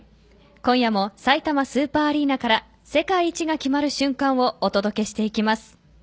今夜もさいたまスーパーアリーナから世界一が決まる瞬間をお届けしていきます。